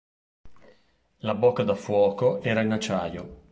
La bocca da fuoco era in acciaio.